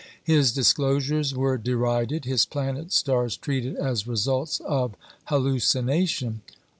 His disclosures were derided; his planet stars treated as results of hallucination.